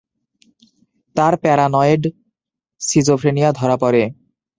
তার paranoid schizophrenia ধরা পড়ে।